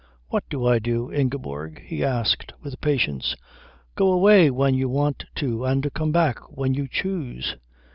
"What do I do, Ingeborg?" he asked with patience. "Go away when you want to and come back when you choose.